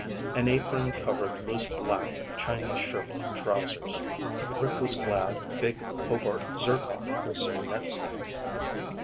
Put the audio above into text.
An apron covered loose black Chinese shirt and trousers. Rick was glad big Hobart Zircon was sitting next to him.